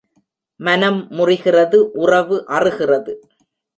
மனம் முறிகிறது உறவு அறுகிறது.